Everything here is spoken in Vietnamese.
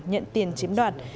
nhận tiền chiếm đoạt